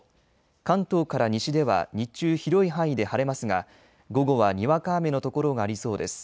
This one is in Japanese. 関東から西では日中、広い範囲で晴れますが午後はにわか雨の所がありそうです。